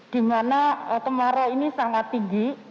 dimana kemarau ini sangat tinggi